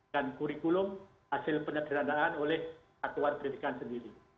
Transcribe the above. dan kurikulum hasil penyederhanaan oleh katawan pendidikan sendiri